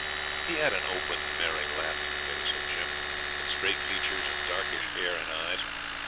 He had an open, merry, laughing face, had Jim, with straight features and darkish hair and eyes.